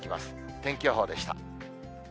天気予報でした。